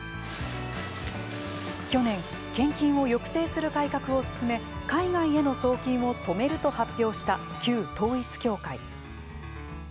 去年、献金を抑制する改革を進め海外への送金を止めると発表した旧統一教会。